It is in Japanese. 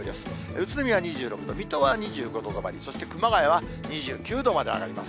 宇都宮は２６度、水戸は２５度止まり、そして熊谷は２９度まで上がります。